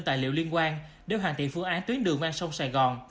tài liệu liên quan để hoàn thiện phương án tuyến đường ven sông sài gòn